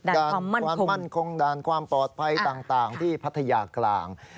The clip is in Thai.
ความมั่นคงด่านความปลอดภัยต่างที่พัทยากลาง